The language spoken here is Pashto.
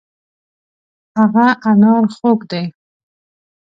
هغه انار خوږ دی.